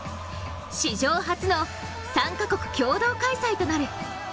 史上初の３か国共同開催となる。